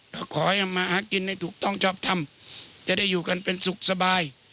ก็ขอให้ทำมาหากินให้ถูกต้องชอบทำจะได้อยู่กันเป็นสุขสบาย